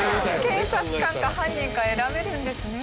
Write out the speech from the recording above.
警察官か犯人か選べるんですね。